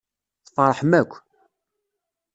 Tfeṛḥem akk.